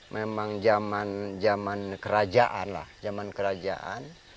memang zaman zaman kerajaan lah zaman kerajaan